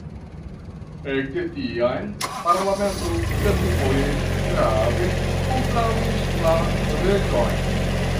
Ekde tiam, parlamento kelkfoje grave kontraŭis la reĝon.